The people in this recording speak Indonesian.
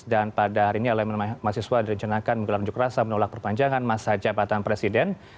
dan pada hari ini elemen mahasiswa direncanakan menggelar juk rasa menolak perpanjangan masa jabatan presiden